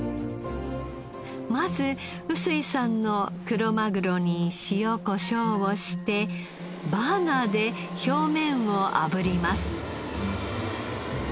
まず臼井さんのクロマグロに塩コショウをしてバーナーで表面を炙ります。